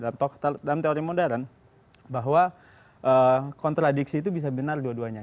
dalam teori modern bahwa kontradiksi itu bisa benar dua duanya